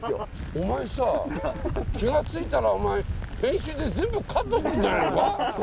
お前さ気が付いたら編集で全部カットするんじゃないのか？